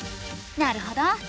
なるほど。